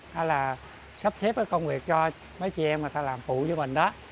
hay là sắp thiết cái công việc cho mấy chị em mà ta làm phụ với mình đó